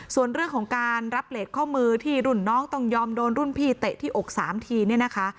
ส่วนเรื่องของการรับเลสข้อมือที่รุ่นน้องต้องยอมโดนรุ่นพี่เตะที่อก๓ทีเนี่ยนะคะ